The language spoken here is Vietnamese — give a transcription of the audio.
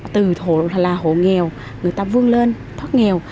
từ hộ nghèo người ta vươn lên thoát nghèo